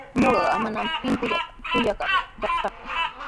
Ñuqa manami pinkulluta tukayta yatraaku.